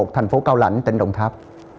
thành phố cao lãnh tỉnh đồng tháp